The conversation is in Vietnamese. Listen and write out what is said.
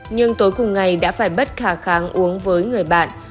nhưng tối cùng ngày đã phải bất khả kháng uống với người bạn